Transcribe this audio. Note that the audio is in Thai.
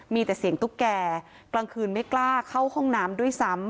มีแต่เสียงตุ๊กแก่กลางคืนไม่กล้าเข้าห้องน้ำด้วยซ้ำ